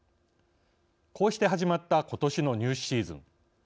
こうして始まったことしの入試シーズン。